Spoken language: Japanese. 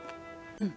うん。